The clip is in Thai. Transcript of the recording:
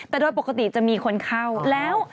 แต่โดยปกติจะมีคนเข้าแล้ว